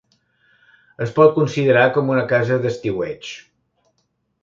Es pot considerar com una casa d'estiueig.